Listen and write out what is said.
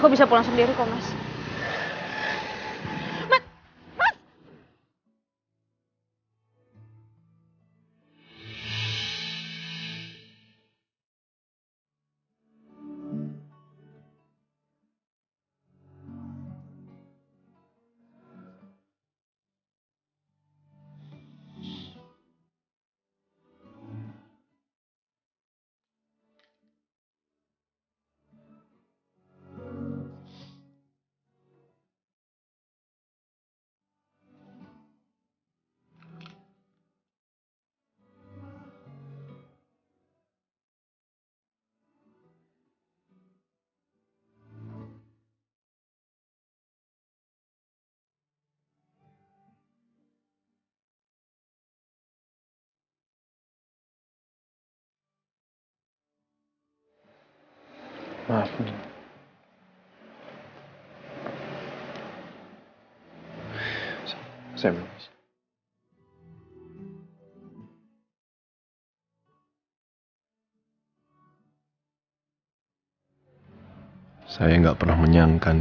belum ada barang barang vancan